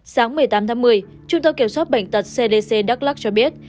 sáng một mươi tám tháng một mươi trung tâm kiểm soát bệnh tật cdc đắk lắc cho biết